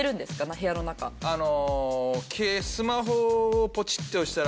あの。